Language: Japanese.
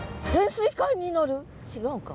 違うか。